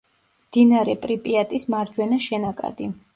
მდინარე პრიპიატის მარჯვენა შენაკადი.